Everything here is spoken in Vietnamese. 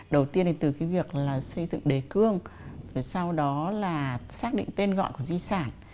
đầu tiên thì từ cái việc là xây dựng đề cương sau đó là xác định tên gọi của di sản